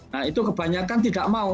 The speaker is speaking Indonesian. nah itu kebanyakan tidak mau